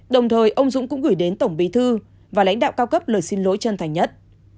đồng thời ông dũng cũng gửi đến tổng bí thư và lãnh đạo cao cấp lời xin lỗi chân thành nhất